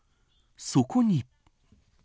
そこに。